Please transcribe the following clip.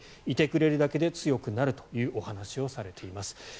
いてくれるだけで強くなるというお話をされています。